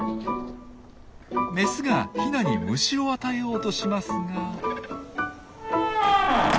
メスがヒナに虫を与えようとしますが。